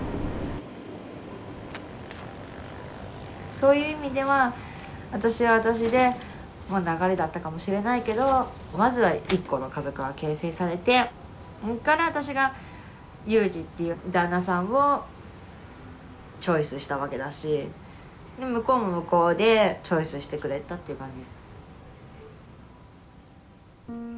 そういう意味では私は私で流れだったかもしれないけどまずは一個の家族が形成されてそれから私が雄次っていう旦那さんをチョイスしたわけだし向こうも向こうでチョイスしてくれたっていう感じ。